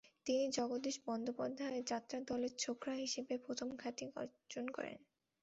তিনি জগদীশ বন্দ্যোপাধ্যায়ের যাত্রাদলে 'ছোকরা' হিসেবে প্রথম খ্যাতি অর্জন করেন।